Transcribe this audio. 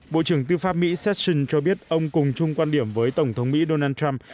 bộ trưởng tư pháp mỹ serson cho biết ông cùng chung quan điểm với tổng thống mỹ donald trump